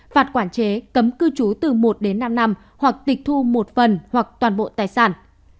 phạt quản chế cấm cư trú từ một đến năm năm hoặc tịch thu một phần hoặc toàn bộ tài sản